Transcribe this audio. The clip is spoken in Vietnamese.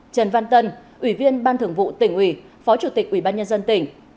trần văn tân ủy viên ban thường vụ tỉnh ủy phó chủ tịch ủy ban nhân dân tỉnh